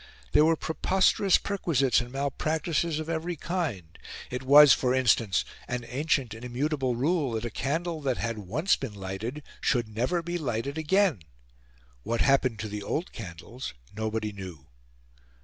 There were preposterous perquisites and malpractices of every kind. It was, for instance, an ancient and immutable rule that a candle that had once been lighted should never be lighted again; what happened to the old candles, nobody knew.